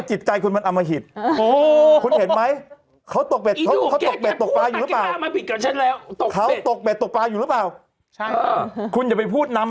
เห็นไหม